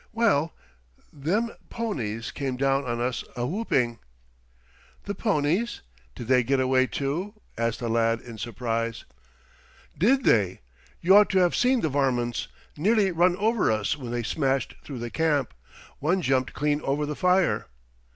"Well, them ponies came down on us a whooping." "The ponies? Did they get away, too?" asked the lad in surprise. "Did they? You ought to have seen the varmints. Nearly run over us when they smashed through the camp. One jumped clean over the fire."